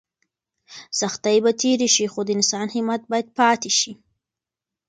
سختۍ به تېرې شي خو د انسان همت باید پاتې شي.